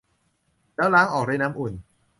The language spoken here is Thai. แล้วล้างออกด้วยน้ำอุ่น